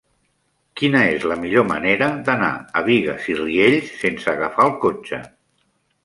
Quina és la millor manera d'anar a Bigues i Riells sense agafar el cotxe?